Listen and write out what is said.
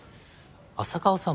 浅川さん